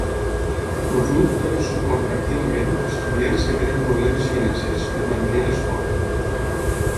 El club dona suport activament a estudiants que tenen problemes financers per mantenir l'esport.